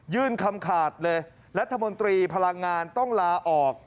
คำขาดเลยรัฐมนตรีพลังงานต้องลาออก